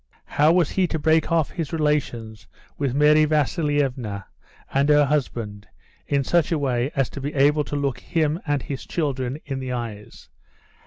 How was he to break off his relations with Mary Vasilievna and her husband in such a way as to be able to look him and his children in the eyes?